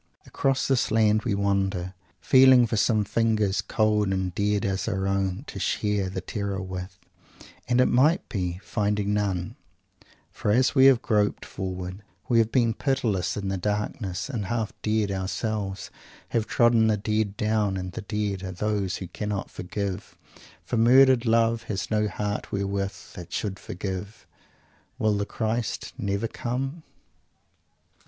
Across this Land we wander, feeling for some fingers, cold and dead as our own, to share that terror with, and, it may be, finding none, for as we have groped forward we have been pitiless in the darkness, and, half dead ourselves, have trodden the dead down, and the dead are those who cannot forgive; for murdered "love" has no heart wherewith it should forgive: _Will the Christ never come?